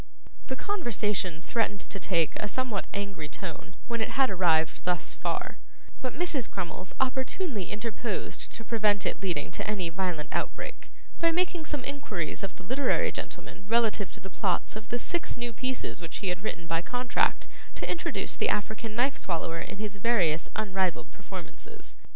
The conversation threatened to take a somewhat angry tone when it had arrived thus far, but Mrs. Crummles opportunely interposed to prevent its leading to any violent outbreak, by making some inquiries of the literary gentleman relative to the plots of the six new pieces which he had written by contract to introduce the African Knife swallower in his various unrivalled performances.